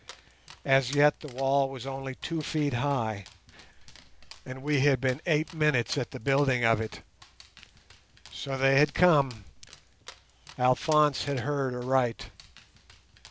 As yet the wall was only two feet high, and we had been eight minutes at the building of it. So they had come. Alphonse had heard aright.